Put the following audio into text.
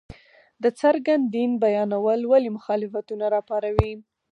د څرګند دين بيانول ولې مخالفتونه راپاروي!؟